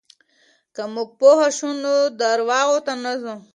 که موږ پوه شو، نو درواغو ته نه ځو.